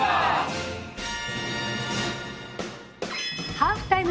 ハーフタイム